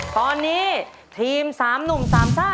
ตอนนี้ทีม๓หนุ่ม๓ซ่า